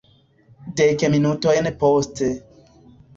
Dek minutojn poste.